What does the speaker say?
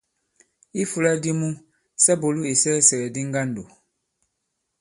I ifūla di mu, sa bùlu isɛɛsɛ̀gɛ̀di ŋgandò.